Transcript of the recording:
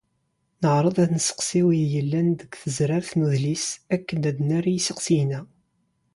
Neɛreḍ ad nesteqsi wid yellan deg tezrart n udlis akken ad d-nerr i yisteqsiyen-a.